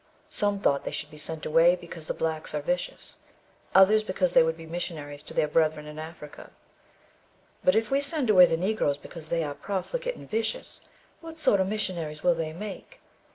Some thought they should he sent away because the blacks are vicious; others because they would be missionaries to their brethren in Africa. "But," said she, "if we send away the Negroes because they are profligate and vicious, what sort of missionaries will they make?